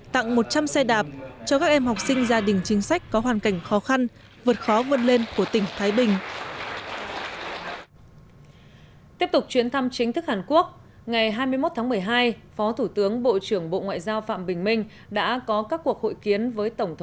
tặng một trăm linh xe đạp cho các em học sinh gia đình chính sách có hoàn cảnh khó khăn vượt khó vươn lên của tỉnh thái bình